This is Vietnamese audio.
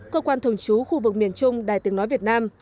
cơ quan thường trú khu vực miền trung đài tiếng nói việt nam